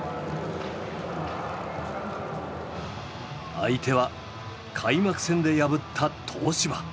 相手は開幕戦で破った東芝。